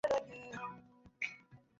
এসব নাটুকেপনা একটু বন্ধ করা যাক।